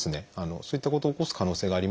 そういったことを起こす可能性があります。